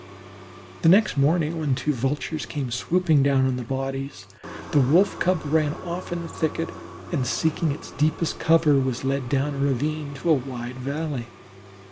The next morning when two Vultures came swooping down on the bodies, the Wolf cub ran off in the thicket, and seeking its deepest cover, was led down a ravine to a wide valley.